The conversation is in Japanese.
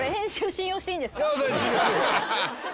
信用してください。